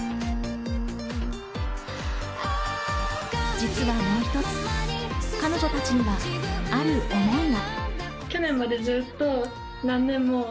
実はもう一つ彼女達にはある思いが。